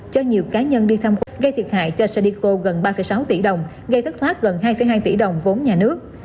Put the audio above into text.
cho nhiều cá nhân đi thăm gây thiệt hại cho stico gần ba sáu tỷ đồng gây thất thoát gần hai hai tỷ đồng vốn nhà nước